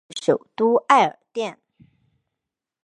据点是首都艾尔甸。